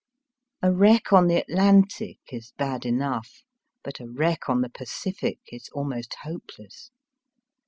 A wreck on the Atlantic is bad enough, but a wreck on the Pacific is almost hopeless.